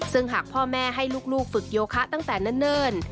ซึ่งหากพ่อแม่ให้ลูกฝึกโยคะตั้งแต่เนิ่น